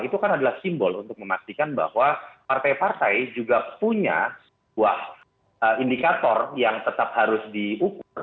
itu kan adalah simbol untuk memastikan bahwa partai partai juga punya sebuah indikator yang tetap harus diukur